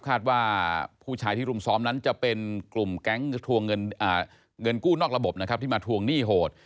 คาดว่าผู้ชายที่รุมซ้อมนั้นจะเป็นกลุ่มแก๊งเงินกู้นอกระบบนะครับที่มาทวงหนี้โหด